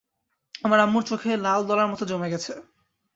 আমার আম্মুর চোখে লাল দলার মত জমে গেছে।